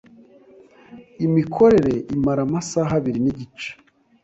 Imikorere imara amasaha abiri nigice.